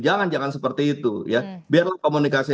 jangan jangan seperti itu ya biarlah komunikasi